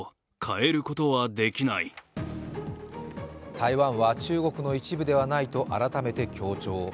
台湾は中国の一部ではないと改めて強調。